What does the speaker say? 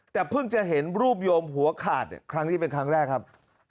แต่เพิ่งจะเห็นรูปโยมหัวขาดครั้งนี้เป็นครั้งแรกครับ